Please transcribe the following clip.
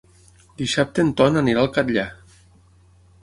Dissabte en Ton anirà al Catllar.